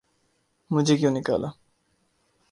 'مجھے کیوں نکالا؟